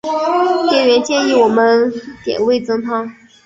店员建议我们点味噌汤